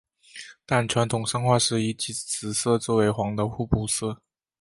但传统上画师以紫色作为黄的互补色。